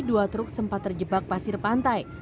dua truk sempat terjebak pasir pantai